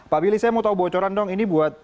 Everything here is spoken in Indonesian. pak billy saya mau tahu bocoran dong ini buat